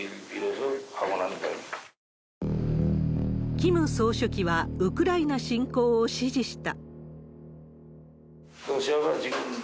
キム総書記は、ウクライナ侵攻を支持した。